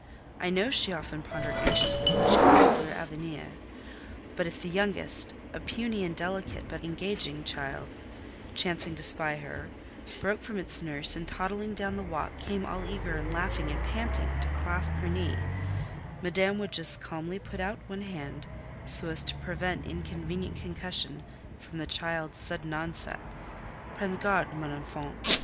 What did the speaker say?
I know she often pondered anxiously what she called "leur avenir;" but if the youngest, a puny and delicate but engaging child, chancing to spy her, broke from its nurse, and toddling down the walk, came all eager and laughing and panting to clasp her knee, Madame would just calmly put out one hand, so as to prevent inconvenient concussion from the child's sudden onset: "Prends garde, mon enfant!"